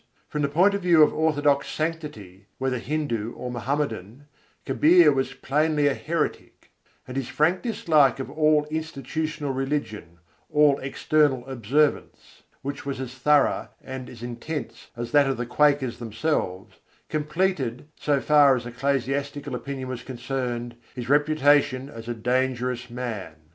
From the point of view of orthodox sanctity, whether Hindu or Mohammedan, Kabîr was plainly a heretic; and his frank dislike of all institutional religion, all external observance which was as thorough and as intense as that of the Quakers themselves completed, so far as ecclesiastical opinion was concerned, his reputation as a dangerous man.